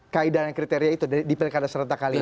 kaedah dan kriteria itu di pekan dasar rata kalimantan